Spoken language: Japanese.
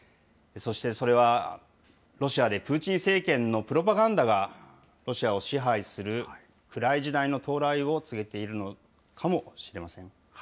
そして、それは、ロシアでプーチン政権のプロパガンダが、ロシアを支配する暗い時代の到来を告げているのかもしれません。